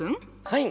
はい。